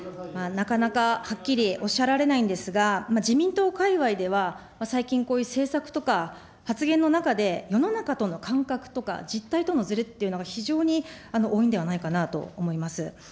なかなかはっきりおっしゃられないんですが、自民党界わいでは、最近、こういう政策とか、発言の中で、世の中との感覚とか、実態とのずれっていうのが非常に多いんではないかなと思います。